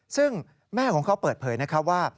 ซึ่งแม่ของเขาเปิดเผยว่า